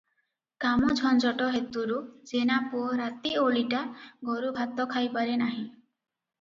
କାମ ଝଞ୍ଜଟ ହେତୁରୁ ଜେନାପୁଅ ରାତିଓଳିଟା ଘରୁଭାତ ଖାଇପାରେ ନାହିଁ ।